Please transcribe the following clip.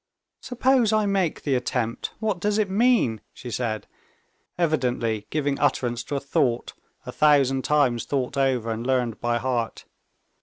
"Suppose I make the attempt. What does it mean?" she said, evidently giving utterance to a thought, a thousand times thought over and learned by heart.